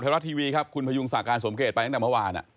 รัฐทีวีครับคุณพยุงศักดิ์สมเกตไปตั้งแต่เมื่อวาน